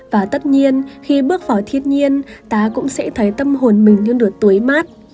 và tất nhiên khi bước vào thiên nhiên ta cũng sẽ thấy tâm hồn mình như được tối mát